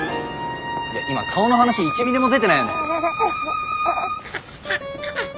今顔の話一ミリも出てないよね？